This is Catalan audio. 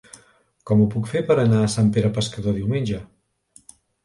Com ho puc fer per anar a Sant Pere Pescador diumenge?